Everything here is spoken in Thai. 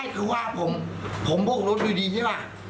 คือว่าผมพวกรถเลยดีใช่ไหม